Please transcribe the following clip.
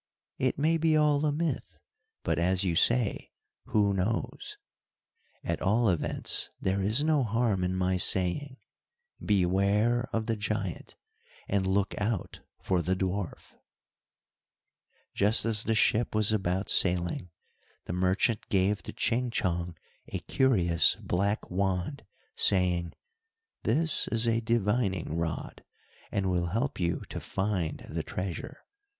"It may be all a myth, but as you say 'who knows!' At all events there is no harm in my saying, beware of the giant, and look out for the dwarf." Just as the ship was about sailing, the merchant gave to Ching Chong a curious black wand, saying, "this is a divining rod, and will help you to find the treasure.